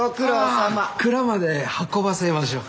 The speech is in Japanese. ああっ蔵まで運ばせましょう。